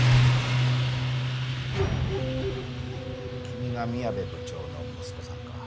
君が宮部部長の息子さんか。